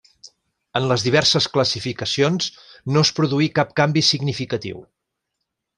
En les diverses classificacions no es produí cap canvi significatiu.